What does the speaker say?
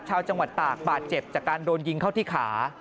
ชาวจังหวัดตากบาดเจ็บจากการโดนยิงเข้าที่ขา